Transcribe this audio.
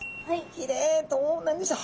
ひれどうなんでしょう？